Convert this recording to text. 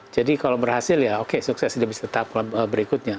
jadi kalau berhasil ya oke sukses dia bisa tetap berikutnya